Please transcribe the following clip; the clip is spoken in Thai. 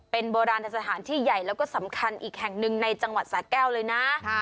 เป็นโบราณสถานที่ใหญ่แล้วก็สำคัญอีกแห่งหนึ่งในจังหวัดสาแก้วเลยนะ